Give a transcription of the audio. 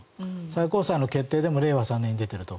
最高裁の決定でも令和３年に出ていると。